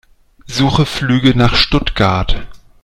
Suche Flüge nach Stuttgart.